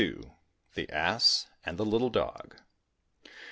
THE ASS AND THE LITTLE DOG.